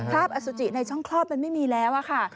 ภาพอสุจิในช่องครอบมันไม่มีแล้วอ่ะค่ะ